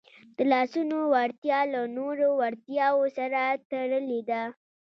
د لاسونو وړتیا له نورو وړتیاوو سره تړلې ده.